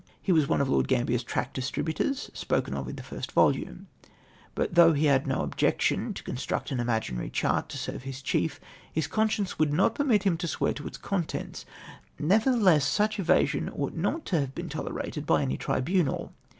He was one of Lord Gambier's tract distributors spoken of in the first volume, but though he had no objection to construct an imaginary chart to serve liis chief, his conscience would not permit him to swear to its contents. Nevertheless such evasion ought not to have been tolerated by any tribunal.